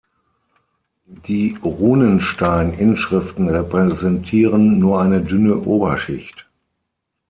Die Runenstein-Inschriften repräsentieren nur eine dünne Oberschicht.